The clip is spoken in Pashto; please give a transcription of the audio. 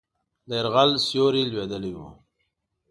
د یرغل سیوری لوېدلی وو.